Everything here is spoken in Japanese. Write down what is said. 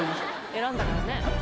選んだからね。